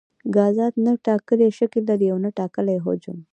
ګازات نه ټاکلی شکل لري او نه ټاکلی حجم.